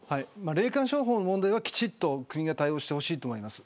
霊感商法の問題はきちっと国が対応してほしいと思います。